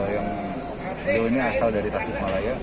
yang kedua ini asal dari tasikmalaya